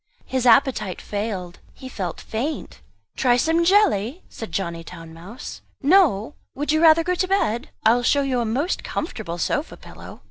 His appetite failed, he felt faint. "Try some jelly?" said Johnny Town mouse. "No? Would you rather go to bed? I will show you a most comfortable sofa pillow."